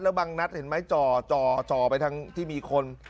แล้วบางนัดเห็นไหมจ่อไปทางที่มีคน